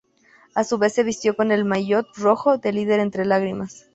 A su vez se vistió con el maillot rojo de líder entre lágrimas.